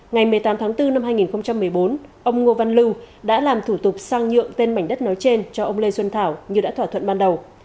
ngày một mươi tám tháng bốn năm hai nghìn một mươi bốn ông ngô văn lưu đã làm thủ tục sang nhượng tên mảnh đất nói trên cho ông lê xuân thảo như đã thỏa thuận ban đầu